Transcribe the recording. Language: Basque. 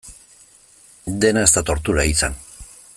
Dena ez da tortura izan.